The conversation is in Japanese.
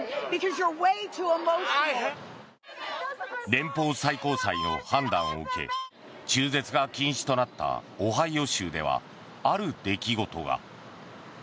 連邦最高裁の判断を受け中絶が禁止となったオハイオ州では、ある出来事が。